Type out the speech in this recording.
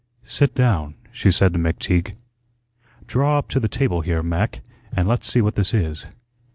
"Sit down," she said to McTeague. "Draw up to the table here, Mac, and let's see what this is."